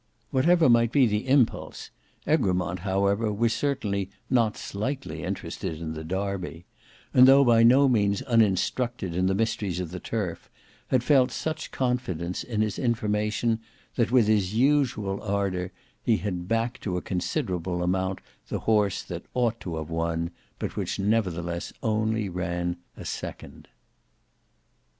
Whatever might be the impulse Egremont however was certainly not slightly interested in the Derby; and though by no means uninstructed in the mysteries of the turf, had felt such confidence in his information that, with his usual ardour, he had backed to a considerable amount the horse that ought to have won, but which nevertheless only ran a second.